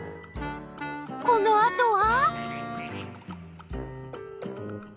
このあとは？